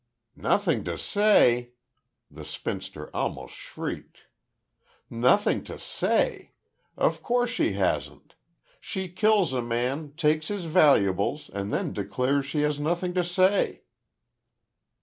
"Nothing to say!" the spinster almost shrieked. "Nothing to say! Of course she hasn't! She kills a man, takes his valuables, and then declares she has nothing to say."